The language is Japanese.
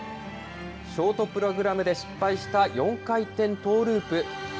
ショートプログラムで失敗した４回転トーループ。